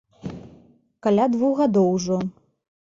Каля двух гадоў ужо.